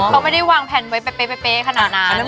เขาไม่ได้วางแผนไว้เป๊ะขนาดนั้น